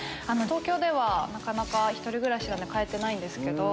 東京では１人暮らしなので飼えてないんですけど。